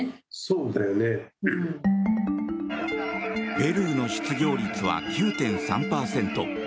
ペルーの失業率は９．３％。